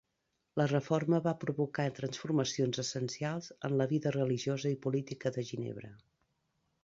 La Reforma va provocar transformacions essencials en la vida religiosa i política de Ginebra.